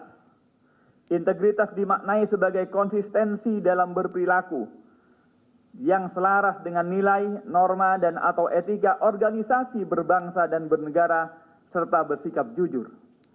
integritas dimaknai sebagai konsistensi dalam berperilaku yang selaras dengan nilai norma dan atau etika organisasi berbangsa dan bernegara serta bersikap jujur